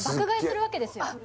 買いするわけですよ